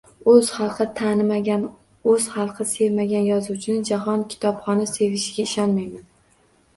O’z xalqi tanimagan, o’z xalqi sevmagan yozuvchini jahon kitobxoni sevishiga ishonmayman.